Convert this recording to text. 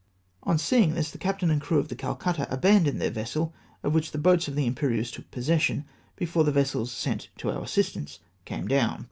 On seeing this, tlie captain and crew of the Calcutta abandoned then vessel, of which the boats of the Imperieuse took possession be fore the vessels sent to onr " assistance " came down.